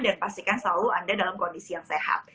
dan pastikan selalu anda dalam kondisi yang sehat